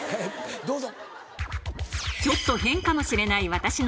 ・どうぞ。